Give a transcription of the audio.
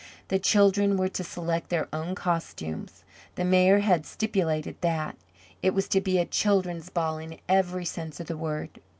The children were to select their own costumes; the Mayor had stipulated that. It was to be a children's ball in every sense of the word.